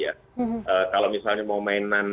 jadi saya pakai potensi tadi di kppi